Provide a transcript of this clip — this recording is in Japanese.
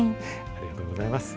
ありがとうございます。